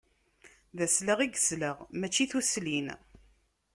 D aslaɣ i yesleɣ, mačči tuslin.